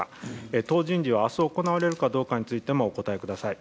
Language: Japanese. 党人事は明日行われるかどうかについてもお答えください。